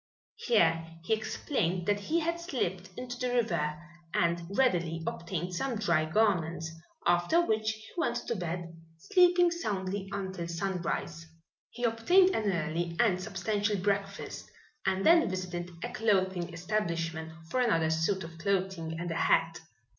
Here he explained that he had slipped into the river and readily obtained some dry garments, after which he went to bed, sleeping soundly until sunrise. He obtained an early and substantial breakfast and then visited a clothing establishment for another suit of clothing and a hat.